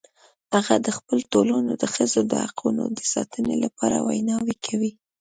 هغه د خپل ټولنې د ښځو د حقونو د ساتنې لپاره ویناوې کوي